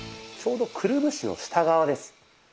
ちょうどくるぶしの下側です。